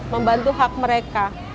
membantu hak mereka